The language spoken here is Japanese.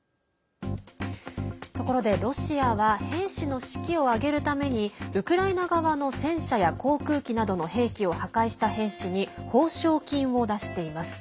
ところでロシアは兵士の士気を上げるためにウクライナ側の戦車や航空機などの兵器を破壊した兵士に報奨金を出しています。